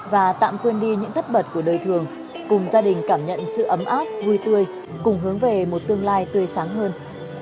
và tạm quên đi những thất bật của đời thường cùng gia đình cảm nhận sự ấm áp vui tươi cùng hướng về một tương lai tươi sáng hơn